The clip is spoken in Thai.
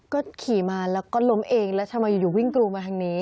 ก็ขี่มาแล้วก็ล้มเองแล้วทำไมอยู่วิ่งกรูมาทางนี้